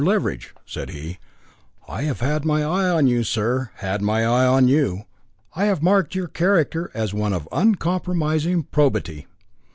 Leveridge," said he, "I have long had my eye on you, sir had my eye on you. I have marked your character as one of uncompromising probity.